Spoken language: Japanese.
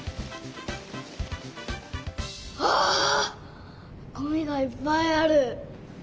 わあごみがいっぱいある！